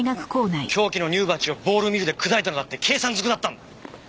凶器の乳鉢をボールミルで砕いたのだって計算ずくだったんだ！